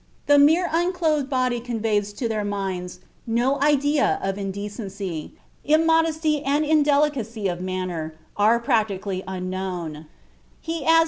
The mere unclothed body conveys to their minds no idea of indecency. Immodesty and indelicacy of manner are practically unknown."